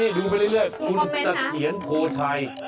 นี่ดูไปเรื่อยคุณสัทเฮียนโภชัย